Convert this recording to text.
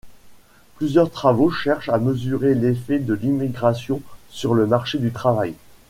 Plusieurs travaux cherchent à mesurer l'effet de l'immigration sur le marché du travail.